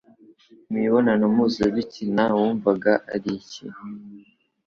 imibonano mpuzabitsina wumvaga ari iki